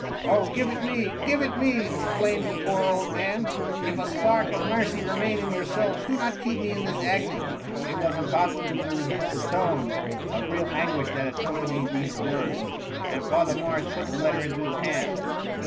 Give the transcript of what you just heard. "*'" Oh give it me I give it me,'* exclaimed the poor old man ;" if a spark of mercy remain in your soul, do not keep me in this agony I'" It was impossible to resist the tone of real anguish that accompanied these words, and Father Morris put the letter into his hands.